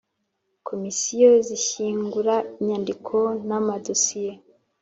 Komisiyo zishyingura inyandiko n amadosiye